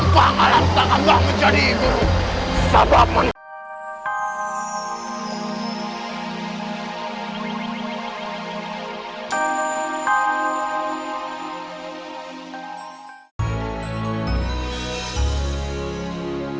saya tidak ada di sini